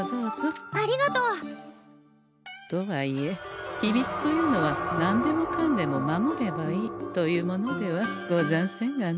ありがとう！とはいえ秘密というのは何でもかんでも守ればいいというものではござんせんがね。